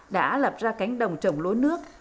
đã lập ra cánh đồng trồng lúa nước